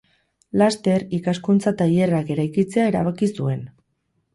Laster ikaskuntza-tailerrak eraikitzea erabaki zuen.